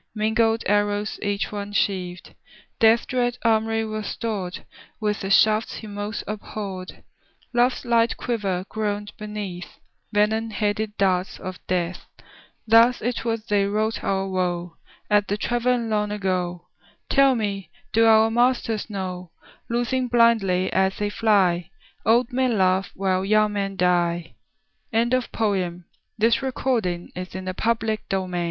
Mingled arrows each one sheaved; Death's dread armoury was stored With the shafts he most abhorred; Love's light quiver groaned beneath Venom headed darts of Death. Thus it was they wrought our woe At the Tavern long ago. Tell me, do our masters know, Loosing blindly as they fly, Old men love while young men die? THE GIFT OF THE SEA The dead child lay in th